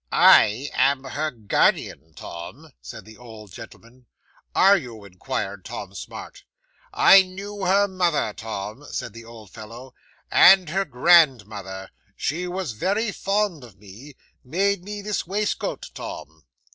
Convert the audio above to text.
'"I am her guardian, Tom," said the old gentleman. '"Are you?" inquired Tom Smart. '"I knew her mother, Tom," said the old fellow: "and her grandmother. She was very fond of me made me this waistcoat, Tom."